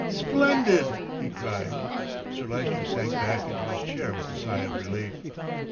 "Splendid!" he cried. Sir Lyster sank back into his chair with a sigh of relief.